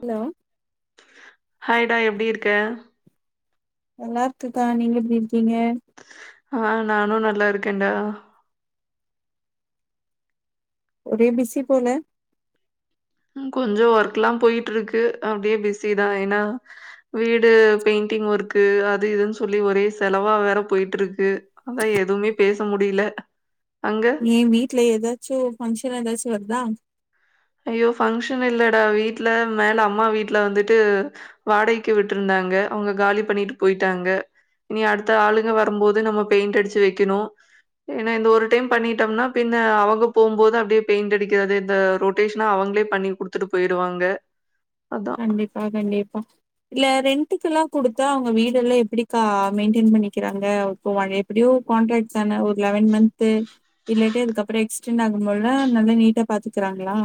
Hello ஹாய்டா எப்டி இருக்க நல்லா இருக்க கா நீங்க எப்டி இருக்கீங்க ஆஹ் நானு நல்லா இருக்கேன்டா ஒரே பிசி போல கொஞ்சோ ஒர்க்ல்லா போயிட்டு இருக்கு அப்டியே பிஸி தா ஏன்னா வீடு பெயிண்டிங் ஒர்க்கு அது இதுன்னு சொல்லி ஒரே செலவா வேற போயிட்டு இருக்கு அதா எதுமே பேச முடில ஏ வீட்ல எதாச்சு ஃபங்க்ஷன் எதாச்சு வருதா ஐயோ ஃபங்க்ஷன் இல்லடா வீட்ல மேல அம்மா வீட்ல வந்துட்டு வாடகைக்கு விட்டிருந்தா ங்க அவுங்க காலி பண்ணிட்டு போயிட்டாங்க இனி அடுத்த ஆளுங்க வருபோது நம்ம பெயிண்ட் அடிச்சு வெக்கணு ஏன்னா இந்த ஒரு டைம் பண்ணிட்டம்னா பின்ன அவங்க போம்போது அப்டே பெயிண்ட் அடிக்கறது இந்த ரொட் கொட்டேஷஸ்னா அவங்களே பண்ணி குடுத்துட்டு போயிருவாங்க அதா கண்டிப்பா கண்டிப்பா இல்ல ரெண்டுக்கெல்லா குடுத்தா அவங்க வீடெல்லா எப்டிகா மெயின்டென் பண்ணிக்கிறாங்க எப்டியோ கான்ட்ராக்ட் தான ஒரு ஒன் மன்து இல்லாட்டி அதுக்கப்பறோ எக்ஸ்டென்ட் ஆகும்போதுல நல்லா நீட்டா பாத்துக்கறாங்களா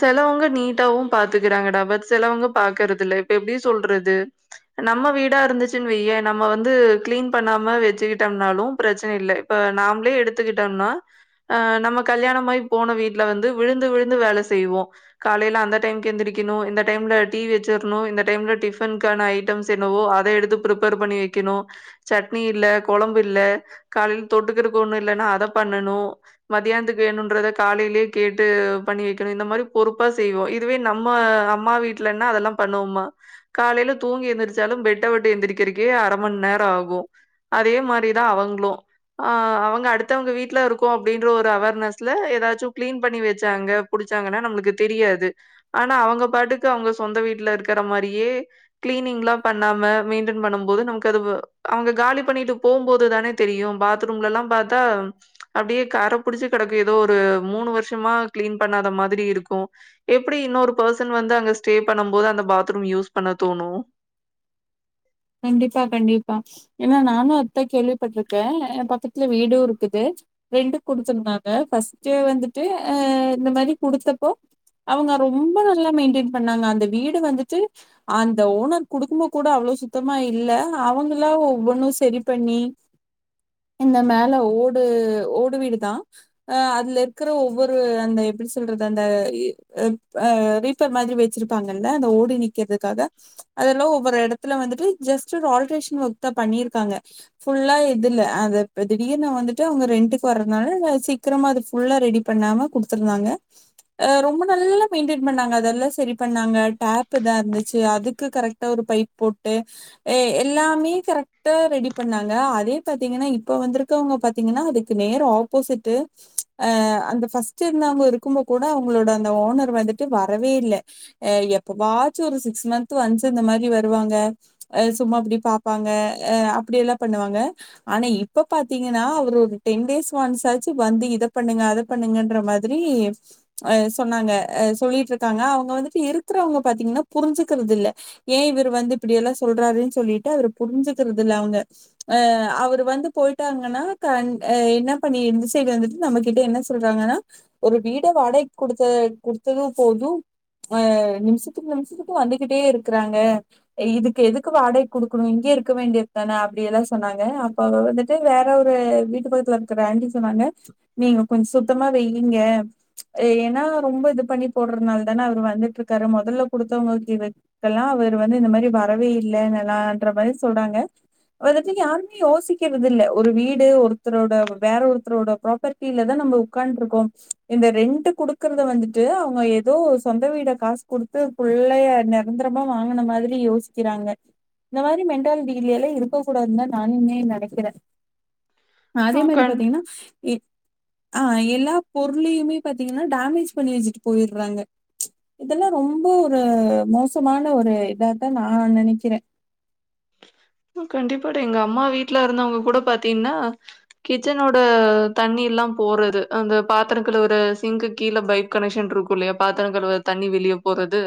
செலவங்க நீட்டாவு பாத்துக்கிறாங்கடா பட் செலவங்க பாக்குறது இல்ல இப்ப எப்டி சொல்றது நம்ம வீடா இருந்துச்சுன்னு வய்ய நம்ம வந்து க்ளீன் பண்ணாம வச்சுக்கிட்டம்னாலு பிரச்சனை இல்ல இப்ப இப்ப நாமளே எடுத்துக்கிட்டம்னா நம்ம கல்யாணம்மாயி போன வீட்ல வந்து விழுந்து விழுந்து வேல செய்வோ காலைல அந்த டைம்க்கு எந்திரிக்கணு இந்த டைம்ல டீ வச்சிறனு இந்த டைம்ல டிபன்கான ஐட்ட ம்ஸ் என்னவோ அத எடுத்து பிரிப்பேர் பண்ணி வெக்கணு சட்னி இல்ல கொழம்பு இல்ல காலைல தொட் றதுக்கு ஒன்னு இல்லன்னா அத பண்ணணு மதியானத்துக்கு வேணுன்றத காலைலே கேட்டு பண்ணி வெக் இந்த மாறி பொறுப்பா செய்வோ இதுவே நம்ம அம்மா வீட்டலனா அதெல்லா பண்ணுவோமா காலைல தூங் எந்திரிச்சாலு பெட்ட விட்டு எந்திரிக்கறக்கே அர மண் நேரோ ஆகு அதே மாறிதா அவங்களு ஆஹ் அவங்க அடுத்தவங்க வீட்ல இருக்கோ அப்டின்ற ஒரு அவேர்னஸ்ல எதாச்சு கிளீன் பண்ணி வெச்சாங்க புடிச்சாங்கன்னா நம்மளுக்கு தெரியாது ஆனா அவங்க பாட்டுக்கு அவங்க சொந்த வீட்டுல இருக்கிற மாறியே க்ளி கிளீனிங் எல்லாம் பண்ணாம மெயின்டெய்ன் பண்ணும் போது நம அது அவங்க காலி பண்ணிட்டு போகும்போது தானே தெரியும் பாத்ரூம்ல்லாம் பாத்தா அப்படியே கரை புடிச்சு கிடக்கு ஏதோ ஒரு மூணு வருஷமா கிளீன் பண்ணாத மாதிரி இருக்கும் எப்படி இன்னொரு பர்சன் வந்து அங்க ஸ்டே பண்ணும் போது அந்த பாத்ரூம் யூஸ் பண்ண தோணு ம் கண்டிப்பா கண்டிப்பா ஏன்னா நானும் அத்தா கேள்விப்பட்டிருக்கேன் என் பக்கத்துல வீடும் இருக்குது ரெண்ட்டுக்கு குடுத்துருந்தாங்க ஃபர்ஸ்டே வந்துட்டு இந்த மாதிரி குடுத்தப்போ அவங்க ரொம்ப நல்லா மெயின்டென் பண்ணாங்க அந்த வீடு வந்துட்டு அந்த ஓனர் குடுக்கும்போ கூட அவ்வளவு சுத் தமா இல்ல அவங்களா ஒவ்வொன்னும் சரி பண்ணி இந்த மேல ஓடு ஓடு வீடுதான் அஹ் அதுல இருக்கிற ஒவ்வொரு அந்த எப்படி சொல்றது அந்த ரீபர் மாதிரி வச்சிருப்பாங்க அந்த ஓடு நிக்கறதுக்காக அதெல்லாம் ஒவ்வொரு இடத்துல வந்து ஜஸ்ட் ஆல்டரேஷன் ஒர்க் தான் பண்ணிருக்காங்க புல்லா இதுல அத திடீர்னு வந்துட்டு அவங்க ரெண்ட்டுக்கு வரதுனால சீக்கிரமா அது ஃபுல்லா ரெடி பண்ணாம குடுத்துருந்தாங்க அ ரொம்ப நல்லா மெயின்டெயின் பண்ணாங்க அதெல்லாம் சரி பண்ணாங்க டேப் இதான் இருந்துச்சு அதுக்கு கரெக்டா ஒரு பைப் போட் டு எல்லாமே கரெக்டா ரெடி பண்ணாங்க அதே பாத்தீங்கன்னா இப்ப வந்திருக்கவங்க பாத்தீ ங்கன்னா அதுக்கு நேர் ஆப்போசிட்டு அந்த பஸ்ட் இருந்தவங்க இருக்கும் போ கூட அவங்களோட அந்த ஓனர் வந்துட்டு வரவே இல்ல எப்ப வாச்சும் ஒரு சிக்ஸ் மந்த் ஒன்ஸ் இந்த மாரி வருவாங்க அ சும்மா அப்படி பாப்பாங்க அ அப்படி எல்லாம் பண்ணுவாங்க ஆனா இப்ப பாத்தீங்கன்னா அவரு ஒரு டென் டேஸ் ஒன்ஸ் ஆச்சு வந்து இத பண்ணுங்க அத பண்ணுங்கன்ற மாதிரி அஹ் சொன்னாங்க சொல்லிட்டு இருக்காங்க அவங்க வந்துட்டு இருக்கிறவங்க பாத்தீங்கன்னா புரிஞ்சுக்கிறது இல்ல ஏன் இவர் வந்து இப்படியெல்லாம் சொல்றாருன்னு சொல்லிட்டு அவர் புரிஞ்சுக்கறது இல்ல அவங்க அ அவர் வந்து போயிட்டாங்கன்னா என்ன பண்ணி இருந்து சைடு வந்துட்டு நம்மகிட்ட என்ன சொல்றாங்கன்னா ஒரு வீட வாடகை கொடுத்த குடுத்ததும் போதும் அ நிமிஷத்துக்கு நிமிஷத்துக்கு வந்துகிட்டே இருக்கிறாங்க இதுக்கு எதுக்கு வாடகை குடுக்கணும் இங்கே இருக்க வேண்டியது தானே அப்படிய எல்லாம் சொன்னாங்க அப்ப வந்துட்டு வேற ஒரு வீட்டு பக்கத்துத்தில் இருக்க ஆண்டி சொன்னாங்க நீங்க கொஞ்சம் சுத்தமா வையுங்க ஏன்னா ரொம்ப இது பண்ணி போடுறதுனால தானே அவர் வந்துட்டு இருக்காரு முதல்ல குடுத்தவங்க இதுக்கெல்லாம் அவர் வந்து இந்த மாதிரி வரவே இல்லை நல்லான்ற மாதிரி சொல்றாங்க அத பத்தி யாருமே யோசிக்கிறது இல்ல ஒரு வீடு ஒருத்தரோட வேற ஒருத்தரோட ப்ராப்பர்டில தான உக்காண்டு இருக்கோம் இந்த ரெண்ட்டுக் குடுக்கறத வந்துட்டு அவங்க ஏதோ சொந்த வீட காசு குடுத்து து புள்ளைய நிரந்தரமா வாங்கின மாதிரி யோசிச் இருக்கிறாங்க இந்த மாதிரி மென்டாலிட்டியில இருக்க கூடாதுந்தா நானுமே நினைக்கிறே ஆ அதே மாதிரி கண் பாத்தீங்கன்னா ஆஹ் எல்லா பொருளயுமே பாத்தீங்கன்னா டேமேஜ் பண்ணி வச்சுட்டு போயிறாங்க இதெல்லாம் ரொம்ப ஒரு மோசமான ஒரு இதான் நா னா நினைக்கிறே கண்டிப்பா எங்க அம்மா வீட்டுல இருந்தவங்க கூட பாத்தீங்கன்னா கிச்சனோட தண்ணி எல்லாம் போறது அந்த பாத்திர ஒரு சிங்க் கீழே பைப் கனெக்ஷன் இருக்கும் இல்லைய பாத்திரம் கழுவுர தண்ணி வெளிய போறது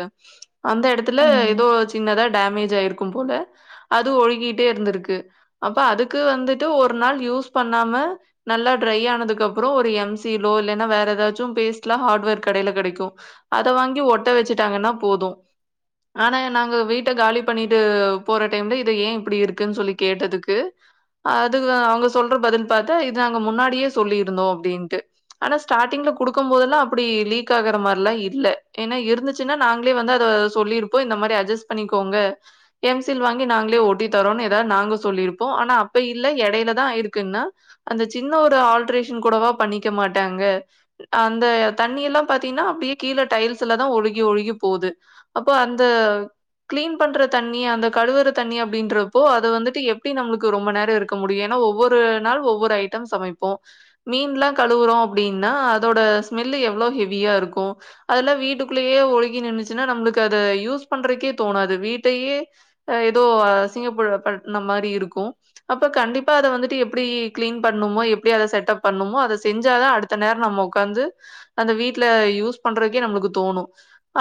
அந்த இடத்துல ஆமா. ஏதோ சின்னதா டேமேஜ் ஆயிருக்கும் போல அது ஒழுகிட்டே இருந்திருக்கு அப்ப அதுக்கு வந்துட்டு ஒரு நாள் யூஸ் பண்ணாம நல்லா டிரையா ஆனதுக்கு அப்புறம் ஒரு எம் சில் வேற ஏதாச்சும் பேஸ்டல ஹார்ட்வேர் கடையில் கிடைக்கும் அதை வாங்கி ஒட்ட வச்சிட்டாங்கன்னா போதும் ஆனா நாங்க வீட்டை காலி பண்ணிட்டு போற டைம்ல ஏன் இப்படி இருக்குன்னு சொல்லி கேட்டதுக்கு அது அவங்க சொல்ற பதில் பார்த்தா இது நாங்க முன்னாடியே சொல்லியிருந்தோம் அப்படின்ட்டு ஆனா ஸ்டார்டிங்ல குடுக்கும்போதெல்லாம் அப்படி லீக் ஆகுற மாதிரில்லாம் இல்ல ஏன்னா இருந்துச்சுன்னா நாங்களே வந்து அத சொல்லிருப்போம் இந்த மாதிரி அட்ஜஸ் பண்ணிக்கோங்க எம்சில் வாங்கி நாங்க ஓட்டி தரோ ஏதாவது நாங்க சொல்லியிருப்போம் ஆனா அப்ப இல்ல எடையில தான் இருக்குன்னா அந்த சின்ன ஒரு ஆல்ரேஷன் கூடவா பண்ணிக்க மாட்டாங்க அந்த தண்ணி எல்லாம் பாத்தீங்கன்னா அப்படியே கீழே டைல்ஸ்ஸல்லா தான் ஒழுகி ஒழுகி போகுது அப்ப அந்த கிளீன் பண்ற தண்ணி அந்த கழுவுர தண்ணி அப்படின்றப்போ அது வந்துட்டு எப்படி நம்மளுக்கு ரொம்ப நேரம் இருக்க முடியு ஒவ்வொரு நாள் ஒவ்வொரு ஐட்டம் சமைப் ப்போ மீன்ல்லா கழுவுறோ அப்டின்னா அதோட ஸ்மெல் எவ்ளோ ஹெவியா இருக்கு அதெல்லா வீட்டுக்குள்ளேயே ஒழுகி நின்னுச்சுன்னா நம்மளுக்கு அது யூஸ் பண்றக்கே தோணாது வீட்டையே தோ அசிங்க பன்னமாரி இருக்கு அப்ப கண்டிப்பா அத வந்துட்டு எப்டி கிளீன் பண்ணுமோ எப்டி அத செட்டப் பண்ணுமோ அதை செஞ்சாத அடுத்த நேர நம்ம ஒக்காந்து அந்த வீட்ல யூஸ் பண்றதுக்கே நம்ம மக்கு தோணு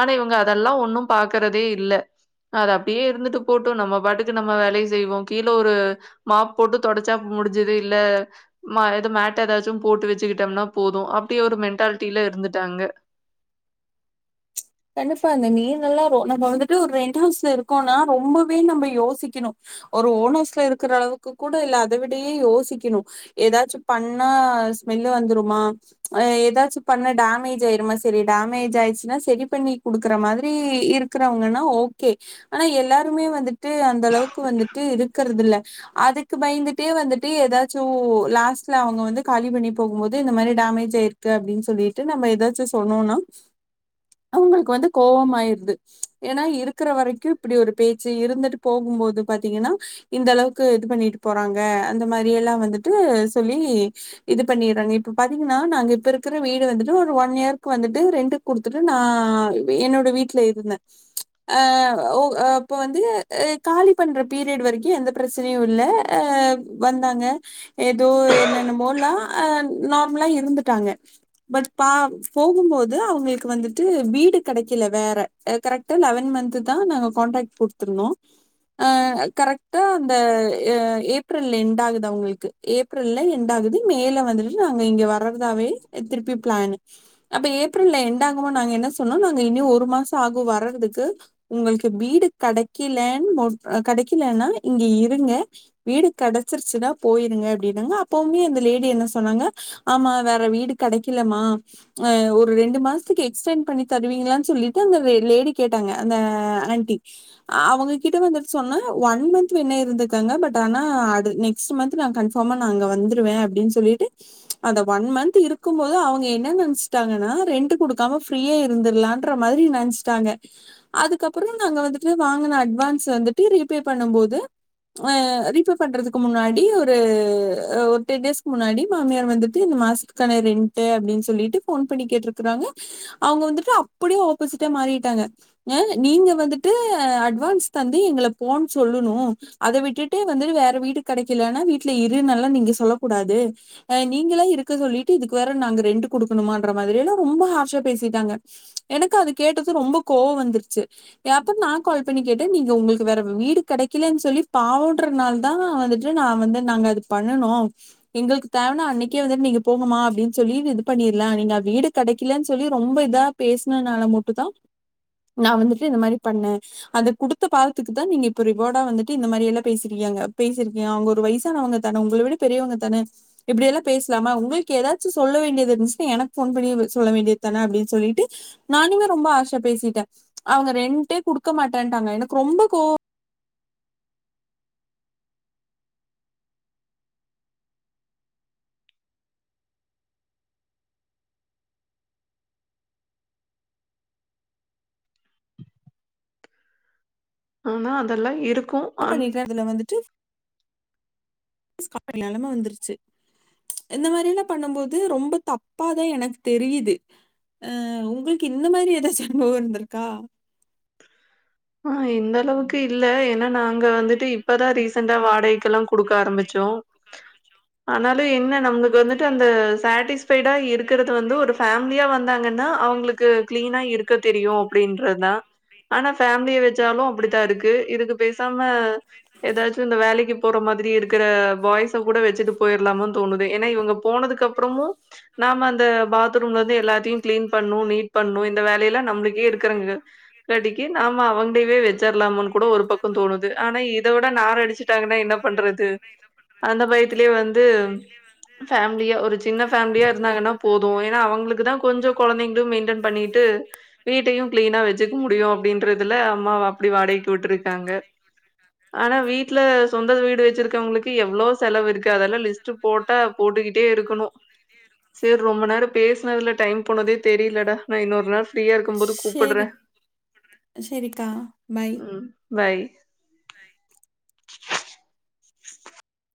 ஆனா இவங்க அதெல்லா ஒன்னு பாக்கறதே இல்ல அது அப்டியே இருந்துட்டு போட் நம்ம பாட்டுக்கு நம்ம வேலய செய்வோ கீழ ஒரு மாப் போட்டு தொடச்சா முடிஞ்சது இல்ல ஏது மேட் ஏதாச்சு போட்டு வச்சுக்கிட்டம்னா போது அப்டி ஒரு மென்டாலிட்டில இருந்துட்டாங்க கண்டிப்பா இந்தநீர் நல்லா நம்ம வந்துட்டு ஒரு ரெண்ட் ஹவுஸ் இருக்கோனா ரொம்பவே நம்ப யோசிக்கணு ஒரு ஓனோஸ்ல இருக்கிற அளவுக்கு கூட இல்ல அத விடயே யோசிக்கணு ஏதாச்சு பண்ணா ஸ்மெல்லு வந்துருமா அ ஏதாச்சு பண்ண டேமேஜ் ஆயிரும்மா சரி டேமேஜ் ஆயிச்சுன்னா சரி பண்ணி கொடுக்குற மாதிரி இருக்கிறவங்கன்னா ஓகே ஆனா எல்லாருமே வந்துட்டு அந்த அளவுக்கு வந் வந்துட்டு இருக்கிறது இல்ல அதுக்கு பயந்துட்டே வந்துட்டு ஏதாச்சு லாஸ்ட்ல அவங்க வந்து கலி பண்ணி போகும்போது இந்த மாரி டேமேஜ் ஆயிருக்கு அப்டின் சொல்லிட்டு நம்ம ஏதாச்சு சொன்னோனா அவங்களுக்கு வந்து கோவமாயிருது ஏன்னா இருக்கிற வரைக்கு இப்டி ஒரு பேச்சு இருந்துட்டு போகும்போது பாத்தீங்கன்னா இந்த அளவுக்கு இது பண்ணிட்டு போறாங்க அந்த மாரி எல்லா வந்துட்டு சொல்லி இது பண்ணிறாங்க இப்ப பாத்தீங்கன்னா நாங்க இப்ப இருக்கிற வீடு வந்துட்டு ஒரு ஒன் இயர்க்கு வந்துட்டு ரெண்டுகு குடுத்துட்டு நா ஆ என்னோட வீட்ல இருந்த அ ஒ இப்ப வந்து காலி பண்ற பீரியட் வரைக்கு எந்த பிரச்சனையு இல்ல வந்தாங்க ஏதோ என்னன்னமோலா நார்மலா இருந்துட்டாங்க பட் பா போகும்போது அவங்களுக்கு வந்துட்டு வீடு கெடைக்கல வேற கரெக்டா லெவன் மந்த் தா நாங்க கண்ட்ராக்ட் குடுத்துருந்தோ அ கரெக்டா அந்த ஏப்ரல் எண்ட் ஆகுது அவங்களுக்கு ஏப்ரல் எண்ட் ஆகு மேல வந்துட்டு நாங்க இங்க வறர்தாவே திருப்பி பிளானு அப்ப ஏப்ரல் என்ட் ஆகமோ நாங்க என்ன சொ சொன்னோ நாங்க இன்னி ஒரு மாச ஆகு வர்றதுக்கு உங்களுக்கு வீடு கடைக்கலன் கட கடைக்கலன்னா இங்க இருங்க வீடு கடச்சிருச்சுனா போயிருங்க அப்படினாங்க அப்பவுமே அந்த லேடி என் ன சொன்னாங்க ஆமா வேற வீடு கெடக்கலமா ஒரு ரெண்டு மாசத்துக்கு எக்ஸ்டென் பண்ணி தருவீங்களானு சொல்லிட்டு அந்த லேடி கேட்டாங்க அந்த ஆண்டி அவங்ககிட்ட வந்துட்டு சொன்ன ஒன் மந்த் வேன்னா இருந்தக்கங்க பட் ஆனா நெக்ஸ்ட் மந்த் நா கன்ஃபாமா அங்க வந்துடுவ அப்படினு சொல்லி ட்டு அந்த ஒன் மந்த் இருக்கும் போது அவங்க என்ன நெனச்சிட்டாங்கன்னா ரெண்ட் கொடுக்காம ஃபிரீயா இரு ருந்துறுலான்ற மாரி நெனச்சிட்டாங்க அதுக்கப்புற நாங்க வந்துட்டு வாங்கின அட்வான்ஸ வந்துட்டு ரீ பே பண்ணும் போது ரீபே பண்றதுக்கு முன்னாடி ஒரு ஒரு டென் டேஸ்க்கு முன்னாடி மாமியார் வந்துட்டு மாசத்துக்கான ரென்ட் அப்டின்னு சொல்லிட்டு போன் பண்ணி கேட்ருக்கறாங்க அவங்க வந்துட் டு அப்படியே ஆப்போசிட்டா மாறிட்டாங்க நீங்க வந்துட்டு அட்வான்ஸ் தந்து எங்கள போன் சொல்லுணு அத விட்டுட்டு வந்து வேற வீடு கெடக்கலன்னா வீட்டுல இருன்னல்லா நீங்க சொல்லக் கூடாது நீங்கலா இருக்க சொல்லிட்டு இதுக்கு வேற நாங்க ரெண்ட் குடுக்கணுமான்ற மாரி எல்லா ரொம்ப ஹார்ஷா பேசிட்டாங்க எனக்கு அது கேட்டது ரொம்ப கோவ வந்துருச்சு ஏப்ப நான் கால் பண்ணி கேட்டே நீங்க உங்களுக்கு வேற வீ வீடு கிடைக்கலன் சொல்லி பாவன்றனால தா வந்துட்டு நா வந்து நாங்க அது பண்ணுணோ எங்களுக்கு தேவனா அன்னைக்கே வந்துட்டு நீங்க போங்கமா அப்படின் சொல்லி இது பண்ணிரலா நீங்க வீடு கெடைக்கலன்னு சொல்லி ரொம்ப இதா பேசினனால மொட்டு தா நா வந்துட்டு இந்த மாரி பண்ண அத குடுத்த பாவத்துக்கு தா நீங்க இப்போ ரிவாடா வந்துட்டு இந்த மாரி எல்லா பேசுறீய பேசிருக்கீங்க அவங்க ஒரு வயசானவங்க தான உங்கள விட பெரியவங்க தான இப்டியெல்லா பேசலாம உங்களுக்கு ஏதாச்சு சொல்ல வேண்டியது இருன்சுனா எனக்கு போன் பண்ணி சொல்ல வேண்டியது தான அப்டின்னு சொல்லிட்டு நானுமே ரொம்ப ஆர்ஷா பேசிட்ட அவங்க ரெண்டே குடுக்க மாட்டேன்ட்டாங்க எனக்கு ரொம்ப கோவ [inaudible] ஆனா அதெல்லா இருக் பண்ணிட்டே அதுல வந்துட்டு [inaudible] நெலம வந்துருச்சு இந்த மாரில்லா பண்ணம்போது ரொம்ப தப்பாதா எனக்கு தெரியிது அ உங்குள்க்கு இந்த மாரி எதாச்சு அனுபவோ இருந்திருக்கா [inaudible] ஆக இந்தளவுக்கு இல்ல ஏனா நாங்க வந்துட்டு இப்பதா ரீசெண்ட்டா வாடகைக்கெல்லா குடுக்க ஆரம்பி ச்சோ ஆனாலு என்ன நம்ளு க்கு வந்துட்டு அந்த சாட்டிஸ்ஃபைடா இருக்கறது வந்து ஒரு ஃபேம்லியா வந்தாங்கன்னா அவுங்குளுக்கு கிளீனா இருக்க தெரியு அப்பிடின்றதுதா ஆனா ஃபேமிலிய வெச்சாலு அப்டித்தாருக்கு இதுக்கு பேசாம எதாச்சு இந்த வேலைக்கி போற மாதிரி இருக் க பாய்ஸ கூட வெச்சுட்டு போயிர்லாமான் தோணுதே ஏனா இவுங்க போனதுக்கு அப்புறமு நாம அந்த பா த்ரூம்லந்து எல்லாத்தியு கிளீன் பண்ணு நீட் பண்ணு இந்த வேலை எல்லா நம்ளுக்கே இருக்கறங்க காட் ஆமா அவுங்களைவே வெச்சிர்லாமான் கூட ஒரு பக்கோ தோணுது ஆனா இத விட நாரடிச்சுட்டாங்கன்னா என்னா பண்றது அந்த பயத்திலியே வந்து ஃபேமிலியா ஒரு சின்ன ஃபேமிலியா இருந்தாங்கன்னா போது எ னா அவுங்குளுக்கு தா கொஞ்சோ கொழந்தைங்ளு மெயின்டென் பண்ணிட்டு வீட்டையு கிளீனா வெச்சிக்க முடியு அப்டின்றதுல அம்மாவ் அப்டி வாடகைக் விட்ருக்காங்க ஆனா வீட்ல சொந்த வீடு வெச்சிருக்கவங்களுக்கு எவ்ளோ செலவு இருக்கு அதெல்லா லிஸ்ட்டு போட்டா போ ட்டுக்கிட்டே இருக்கணு சேர் ரொம்ப நேரோ பேச னதுல டைம் போனதே தெரிலடா நா இன்னொரு நாள் ஃப்ரீயா இருக்கும் போது கூப்புட்றே சேரி. சரிக்கா பாய் பாய். பய் [inaudible] [inaudible]